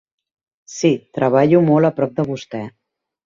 Sí, treballo molt a prop de vostè.